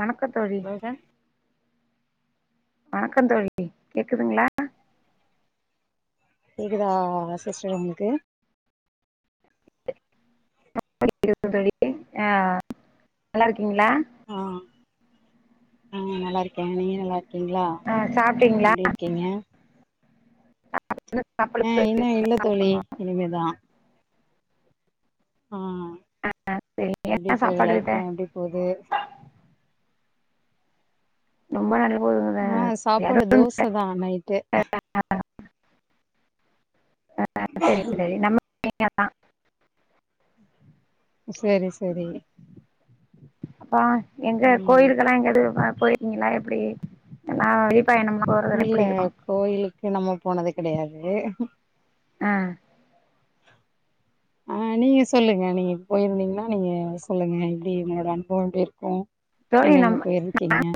வணக்கத் தோழி ஏ வணக்கம் தோழி கேக்குதுங்ளா கேக்குதா சிஸ்டர் உங்களுக்கு [inaudible] ஆ நல்லா இருக்கீங்ளா ஆ ஆ நல்லா இருக்க நீங்க நல்லா இருக்கீங்ளா ஆ சாப்ட்டீங்ளா இருக்கீங்க இன்னு சாப்பல ஆ தோழி இன்னு இனிமேதா இல்ல தோழி சாப்பட்ணு இனிமேதா ஆ ஆ சரி எப்டி என்ன போது சாப்பாடு விட்ட லைஃப்லா எப்டி போது ரொம்ப நல்ல போதுங் ஆ வேற சாப்பாடு ஒன்னு இல்ல தோச தா நைட்டு [inaudible] அ அ ஆ ஆ சேரி சேரி நம்ம நீங்க தா சேரி சேரி அப்பா எங்க ம் கோயிலுக்கெல்லா எங்கயாது போய் ருக்கீங்ளா எப்டி நா வெளி பயணம்னா இல்ல கோயிலுக்கு நம்ம போனது கெடையாது ஆ ஆ நீங்க சொல்லுங்க நீங்க போய்ருந்தீங்னா நீங்க சொல்லுங்க எப்டி உங்களோட அனுபவோ எப்டி இருக்கு தோழி எங்கெங்க நம்ம போயிர்கீங்க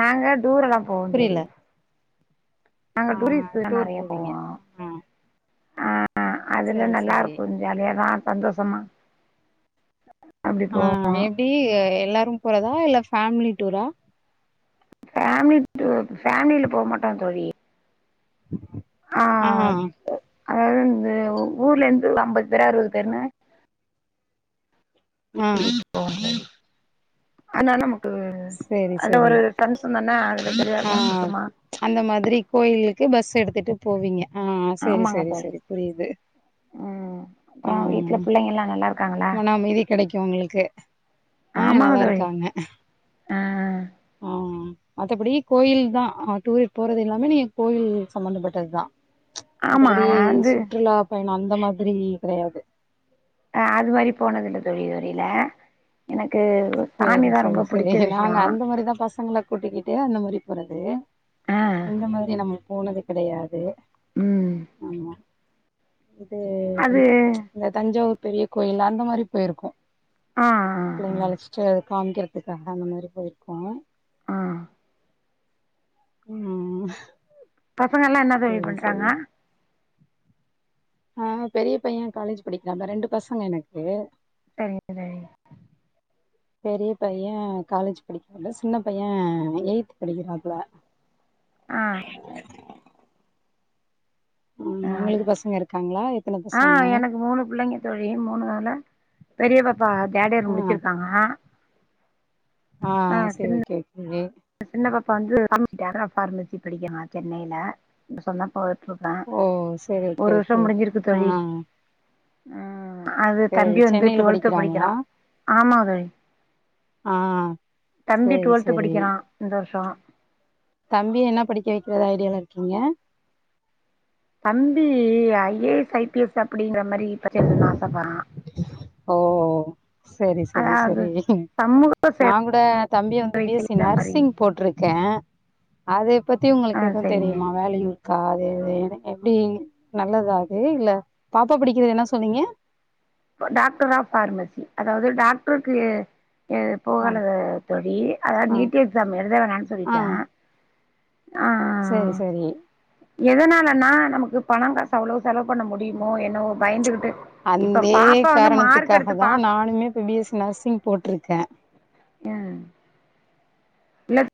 நாங்க டூரெல்லா போவோ தோழி புரியல நாங்க ஆ டூரிஸ்ட்லா டூர் நறைய போவோ போவீங்க ஆ ஆ அதுல சரி சரி நல்லாருக்கு ஜாலியாதா சந்தோஷமா அப்டி ஆ போவோம். எப்டி எல்லாரும் போறதா இல்ல ஃபேம்லி டூரா ஃபேம்லி டூர் ஃபேம்லில போ மாட்டோ தோழி ஆ அதாவது வந்து ஊர்ல இருந்து ஒரு அம்பது பேரு அறுபது பேருன்னு ஆ [inaudible] ஆனா நமக்கு சேரி அத சேரி ஒரு ஃப்ரெண்ட்ஸ் வந்தோன அதுல தெளிவா ஆ [inaudible] குமா அந்த மாதிரி கோயிலுக்கு பஸ் எடுத்துட்டு போவீங்க ஆ சேரி ஆமாங்க சேரி தோழி. சேரி புரியுது ம் ஆ அப்றோ வீட்ல புள்ளைங்க எல்லா நல்லாருக்காங்ளா மன அமைதி கெடைக்கு உங்களுக்கு ஆ ஆமாங்க நல்லா தோழி, ஆ, ம், மத்தபடி கோயில்தா ஆ டூர் போறது எல்லாமே நீங்க கோயில் சம்பந்தப்பட்டதுதா ஆமா மத்தபடி நான் வந்து சுற்றுலா பயணோ அந்த மாதிரி கெடையாது ஆ அது மாரி போனது இல்ல தோழி இது வரையில எனக்கு சேரி சாமிதா சேரி ரொம்ப சேரி புடிச்ச விஷயோ நாங்க அந்த மாரிதா பசங்கள கூட்டிக்கிட்டு அந்த மாரி போறது, ஆ இந்த மாதிரி நம்ம போனது கெடையாது ம் ஆமா, இது அது இந்த தஞ்சாவூர் பெரிய கோயில் அந்த மாரி போயிருக்கோ ஆ ஆ ஆ. பிள்ளைங்கள அழைச் சிட்டு காமிக்கிறதுகாக அந்த மாரி போயிருக்கோ ஆ ம் பசங்கல்லா என்னா தோழி சரி பண்றாங்க சரி ஆ பெரிய பைய காலேஜ் படிக்கிறா இப்ப ரெண்டு பசங்க எனக்கு சரிங்க சரிங்க பெரிய பைய காலேஜ் படிக்கிறாப்புல, சின்ன பைய எயித் படிக்கிறாப்புல [inaudible] ஆ ம், ஆ அது உங்களுக்கு பசங்க இருக்காங்ளா ஆ எனக்கு மூணு புள்ளைங்க தோழி, மூணுல பெரிய பாப் பா தேர்டு இயர் ஆ முடிச்சிருக்காங்க ஆ சேரி ஓகே தோழி சின்ன பாப்பா வந்து ஃபார்மசி டாக்டர் ஆஃப் ஃபார்மசி படிக்கிறாங்க சென்னையில இப்ப சொன்னப்ப ட்டுருக்கா ஓ சரி ஓகே ஒரு வருஷ ஓகே முடிஞ்சிருக்கு ஆ தோழி, ம், அது சரி தம்பி வந்து சென்னையில டுவெல்த் படிக்கிறா, படிக்கிறாங்களா ஆமா தோழி ஆ தம்பி சரி டுவெல்த் சரி படிக்கிறா இந்த வருஷோ தம்பிய என்ன படிக்க வைக்கிறதா ஐடியாவுல இருக்கீங்க தம்பி I A S, I P S அப்டின்ற மாரி பரிச்சை எழுதனுனு ஆசைப்பட்றா ஓ செரி செரி அதாவது செரி சமூக சேவை நா கூட தம்பிய வந்து வை பி எஸ் சி செய்ற மாரி நர்சிங் போட்ருக்கே அதை பத்தி ஆ உங்களுக்கு எதுவும் சரிங்க தெரியுமா வேல்யூ ருக்கா அது அது எப்படி நல்லதா அது இல்ல பாப்பா படிக்கிறது என்ன சொன்னீங்க டாக்டர் ஆஃப் பஃபார்மசி அதாவது டாக்டருக்கு இது ஆ போகல தோழி, அதாவது ஆ நீட் எக்ஸாம் எழுத வேணானு சொல்லிட்டே ஆ செரி செரி எதனாலனா நமக்கு பணம் காசு அவ்வளவு செலவு பண்ண முடியுமோ என்னோ பயந்துகிட்டு இப்ப அந்தே பாப்பா வந்து மார்க் காரணத்துக்காக எடுத்து தா பாஸ் நானுமே இப்ப பி எஸ் சி நர்சிங் போட்ருக்கே ஆ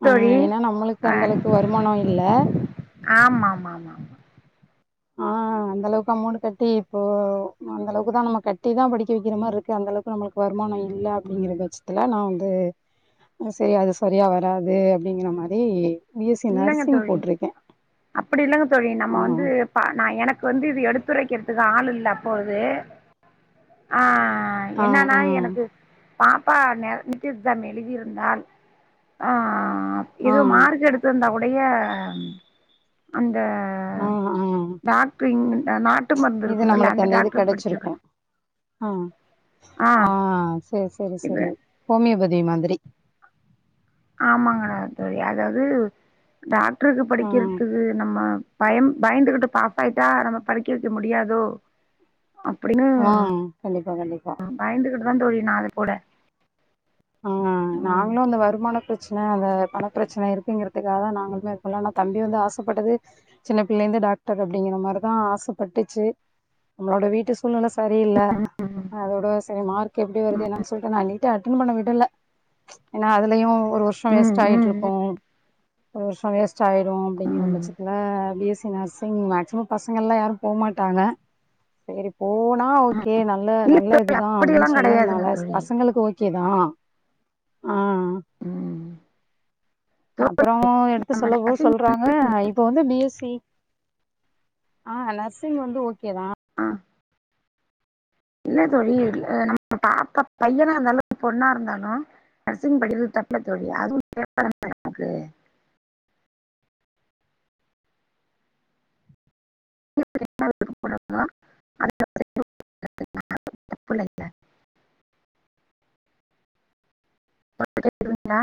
ஆ ஏன்னா நம்மளுக்கு அந்த அளவுக்கு வருமானோ இல்ல ஆமாமாமா ஆ அந்தளவுக்கு அமௌன்ட் கட்டி இப்போ அந்தளவுக்கு தா நம்ம கட்டி தா படிக்க வைக்கிற மாரி இருக்கு அந்தளவுக்கு நம்ம வருமானமில்ல அப்படிங்கற பட்சத்துல நா வந்து அது செரி அது சரியா வராது அப்டிங்கற மாரி பி எஸ் சி இல்லங்க நர்சிங் தோழி போட்டிருக்கே அப்படி இல்லங்க தோழி ஆ நம்ம வந்து பா நா எனக்கு வந்து இது எடுத்துரைக்கிறதுக்கு ஆள் இல்ல அப்போ இது [inaudible] ஆ ஆ என்னான்னா ஆ எனக்கு பாப்பா ந [unintelligible] எழுதியிருந்தால் ஆ ஆ ஏதோ மார்க்கு எடுத் துர்ந்தாவுடைய அந்த ஆ ஆ த டாக்டர் ன் நாட்டு மருந்து இது இருக்குங்கல்ல நம்மளுக்கு அந்த இது டாக்டர்க்கு கெடச்சிருக்கு படிச்சிருக்கலா ஆ ஆ செரி செரி இது செரி ஹோமியோபதி மாதிரி ஆமாங்க தோழி அதாவது டாக்டருக்கு ஆ படிக்கிறதுக்கு நம்ம பயம் பயந்துகிட்டு பாஸ் ஆயிட்டா நம்ம படிக்க வைக்க முடியாதோ அப்படின்னு ம் கண்டிப்பா கண்டிப்பா பயந்துகிட்டு தா தோழி நா அதப் போட ஆ ம் நாங்களு அந்த வருமான பிரச்சன அந்த பணப் பிரச்சன இருக்குங்கிறதுக்காக தா நாங்களுமே எடுக்கல ஆனா தம்பி வந்து ஆசப்பட்டது சின்ன பிள்ளைந்து டாக்டர் அப்படிங்கிற மாதிரிதா ஆசப்பட்டுச்சு நம்மளோட வீட்டு சூல்நெல சரியில்ல ம் அதோட செரி மார்க் எப்டி வருது ம் என்னு சொல்லிட்டு நா நீட் அட்டன் பண்ண விடல ஏன்னா அதுலயு ஒரு வர்ஷோ வேஸ்ட்டாகிட்டுருக்கு ம் ஒரு வருஷோ வேஸ்ட்டாகிரு அப்படிங்கிற ம் பட்சத்துல B S C nursing maximum பசங்கள்லா யாரு போ மாட்டாங்க செரி போனா ம் ஓகே ந ல்ல இல்ல நல்ல தோழி இதுதா அப்டின்னு அப்படியெல்லாம் கெடையாதுங்க சொன்னதுனால தோழி பசங்களுக்கு ஓகேதா ஆ அ ம் தோழி அப்புறோ எடுத்து நம்ம சொல்ல போ நர்சிங் சொல்றாங்க இப்போ வந்து பி எஸ் சி ஆ நர்சிங் வந்து ஓகே தா ஆ இல்ல தோழி அ நம்ம பாப்பா பையனாருந்தாலு பொண்ணாருந்தாலு நர்சிங் படிக்கறது தப்பில்ல தோழி அதுவு [inaudible] நமக்கு [inaudible] தப்புல்ல [inaudible] கேக்குதுங்ளா